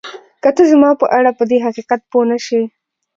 که ته زما په اړه پدې حقیقت پوه نه شې